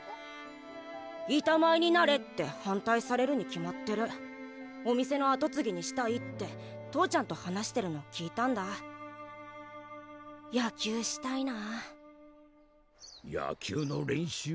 板前になれって反対されるに決まってるお店の跡継ぎにしたいって父ちゃんと話してるの聞いたんだ野球したいなぁ野球の練習？